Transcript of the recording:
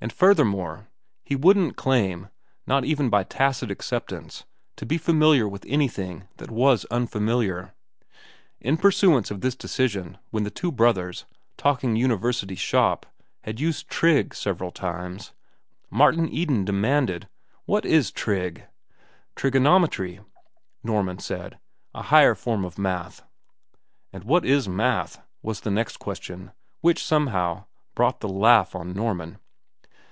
And furthermore, he wouldn't claim, not even by tacit acceptance, to be familiar with anything that was unfamiliar. In pursuance of this decision, when the two brothers, talking university shop, had used "trig" several times, Martin Eden demanded: "What is trig?" "Trignometry," Norman said; "a higher form of math." "And what is math?" was the next question, which, somehow, brought the laugh on Norman.